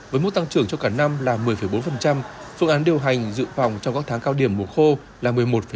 với mức tăng trưởng cho cả năm là một mươi bốn phương án điều hành dự phòng trong các tháng cao điểm mùa khô là một mươi một năm